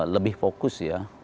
lebih fokus ya